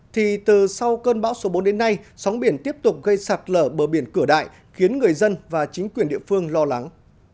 thì từ sau cơn bão số bốn đến nay sóng biển tiếp tục gây sạt lở bờ biển cửa đại khiến người dân và chính quyền địa phương lo lắng